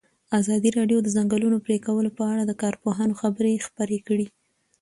ازادي راډیو د د ځنګلونو پرېکول په اړه د کارپوهانو خبرې خپرې کړي.